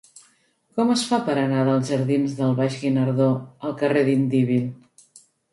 Com es fa per anar dels jardins del Baix Guinardó al carrer d'Indíbil?